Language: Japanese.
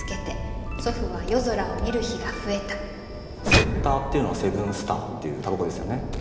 「セッター」っていうのは「セブンスター」っていうたばこですよね。